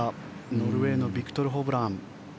ノルウェーのビクトル・ホブラン。